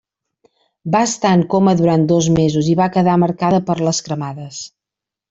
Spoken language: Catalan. Va estar en coma durant dos mesos i va quedar marcada per les cremades.